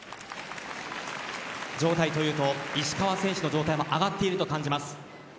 状態というと石川選手の状態も上がっていると感じます。